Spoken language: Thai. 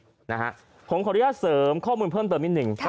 ผมขออนุญาตเสริมข้อมูลเพิ่มเติมนิดหนึ่ง